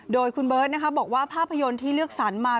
โดยคุณเบิร์ตบอกว่าภาพยนตร์ที่เลือกสรรมา